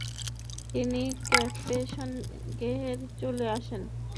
তিনি কোপেনহেগেনে চলে আসেন।